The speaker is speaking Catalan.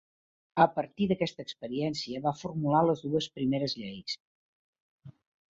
A partir d'aquesta experiència, va formular les dues primeres lleis.